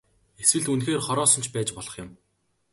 Эсвэл үнэхээр хороосон ч байж болох юм.